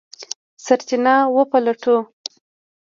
سرچینه وپلټو.